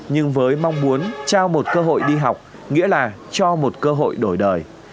nhưng với mong muốn trao một cơ hội đi học nghĩa là cho một cơ hội đổi đời